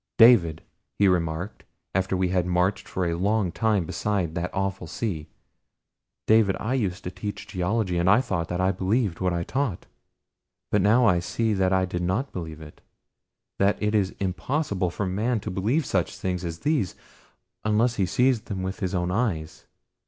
"David," he remarked, after we had marched for a long time beside that awful sea. "David, I used to teach geology, and I thought that I believed what I taught; but now I see that I did not believe it that it is impossible for man to believe such things as these unless he sees them with his own eyes.